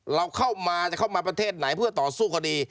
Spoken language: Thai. เราเข้ามาจะเข้ามาประเทศไหนเพื่อต่อสู้คดี